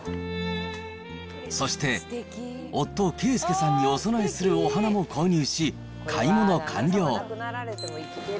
そして、夫、啓助さんにお供えするお花も購入し、買い物完了。